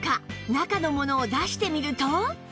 中の物を出してみると